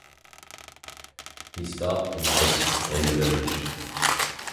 He stopped the night in the village.